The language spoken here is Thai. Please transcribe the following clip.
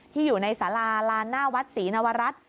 ที่อยู่ในสาราลานหน้าวัดศรีนวรัฐ